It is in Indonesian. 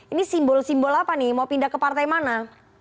ini simbol simbol apa nih mau pindah ke partai mana